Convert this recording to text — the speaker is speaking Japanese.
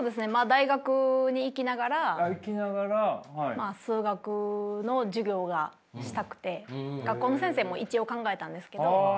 大学に行きながら数学の授業がしたくて学校の先生も一応考えたんですけど。